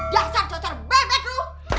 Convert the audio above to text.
jasar cocar bebek lu